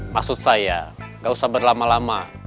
maksud saya gak usah berlama lama